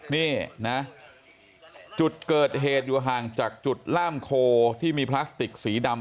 นี่นะจุดเกิดเหตุอยู่ห่างจากจุดล่ามโคที่มีพลาสติกสีดำ